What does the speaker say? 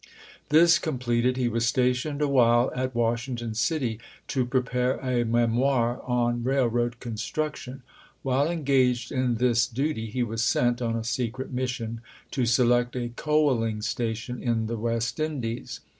This com pleted, he was stationed awhile at Washington City to prepare a memoir on railroad construction. While engaged in this duty he was sent on a secret mission to select a coaling station in the West Indies.